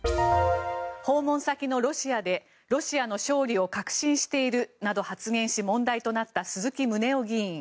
訪問先のロシアでロシアの勝利を確信しているなど発言し問題となった鈴木宗男議員。